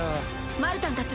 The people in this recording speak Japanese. マルタンたちは？